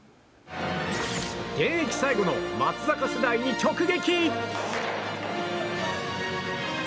現役最後の松坂世代に直撃！